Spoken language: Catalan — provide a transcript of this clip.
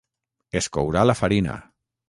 es courà la farina